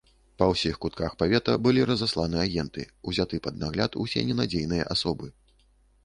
Па ўсіх кутках павета былі разасланы агенты, узяты пад нагляд усе ненадзейныя асобы.